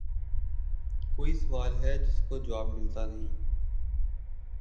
کوئی سوال ھے جس کو جواب مِلتا نیں